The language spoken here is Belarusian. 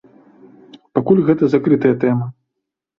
Пакуль гэта закрытая тэма.